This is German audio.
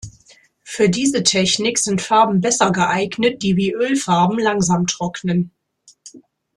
Für diese Technik sind Farben besser geeignet, die wie Ölfarben langsam trocknen.